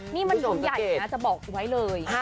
นี่มันบุญใหญ่นะจะบอกไว้เลย